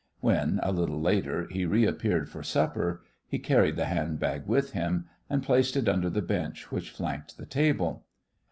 When, a little later, he reappeared for supper, he carried the hand bag with him, and placed it under the bench which flanked the table.